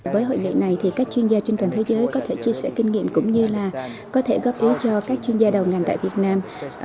với hội nghị này thì các chuyên gia trên toàn thế giới có thể chia sẻ kinh nghiệm cũng như là có thể góp ý cho các chuyên gia đầu ngành tại việt nam